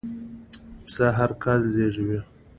پسه هرکال زېږوي.